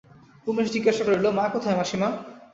উমেশ জিজ্ঞাসা করিল, মা কোথায় মাসিমা?